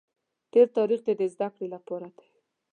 تېر تاریخ دې د زده کړې لپاره دی.